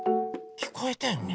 きこえたよね？